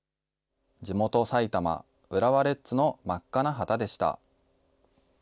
地元、埼玉、浦和レッズの真っ赤な旗でした。